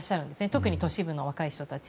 特に都市部の若い人たち。